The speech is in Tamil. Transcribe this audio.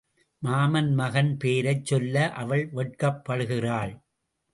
மாமன் மகன் பேரைச் சொல்ல அவள் வெட்கப்படு கிறாள்.